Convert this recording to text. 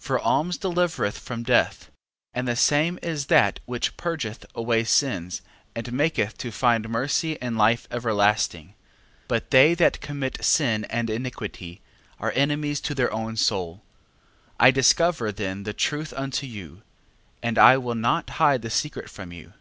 12:9. For alms delivereth from death, and the same is that which purgeth away sins, and maketh to find mercy and life everlasting. 12:10. But they that commit sin and iniquity, are enemies to their own soul. 12:11. I discover then the truth unto you, and I will not hide the secret from you.